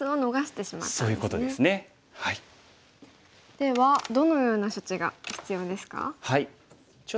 ではどのような処置が必要ですか？